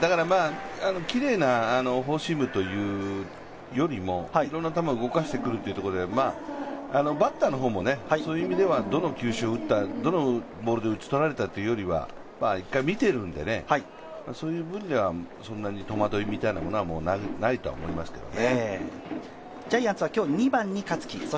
きれいなフォーシームというよりも、いろんな球を動かしてくるというところで、バッターの方もそういう意味ではどの球種を打った、どのボールで打ち取られたというよりは１回見ているんで、そういう部分ではそんなに戸惑いみたいなのはないと思いますけど。